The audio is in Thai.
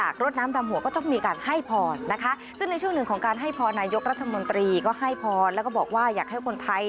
ก็ให้พรนายกรัฐมนตรีก็ให้พรแล้วก็บอกว่าอยากให้คนไทย